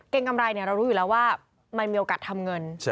กำไรเรารู้อยู่แล้วว่ามันมีโอกาสทำเงิน